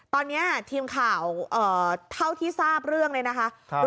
ตอนเนี้ยทีมข่าวเอ่อเท่าที่ทราบเรื่องเลยนะคะครับ